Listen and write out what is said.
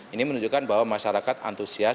ini menunjukkan bahwa masyarakat antusias